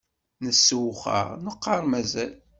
Nessewxar neqqar mazal.